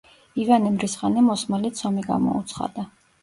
ივანე მრისხანემ ოსმალეთს ომი გამოუცხადა.